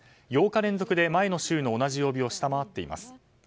８日連続で前の週の同じ曜日を下回っています。